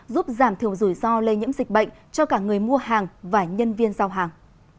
giúp giảm thiểu rủi ro lây nhiễm dịch bệnh cho cả người mua hàng và nhân viên giao hàng